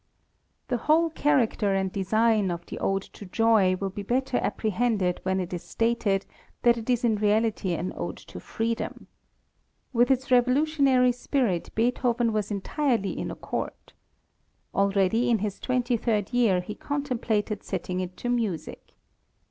The whole character and design of the Ode to Joy will be better apprehended when it is stated that it is in reality an Ode to Freedom. With its revolutionary spirit Beethoven was entirely in accord. Already in his twenty third year he contemplated setting it to music.